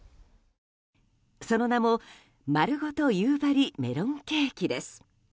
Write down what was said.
その名もまるごと夕張メロンケーキです。